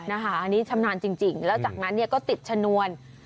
นะคะอันนี้ชำนาญจริงจริงแล้วจากนั้นเนี้ยก็ติดชนวน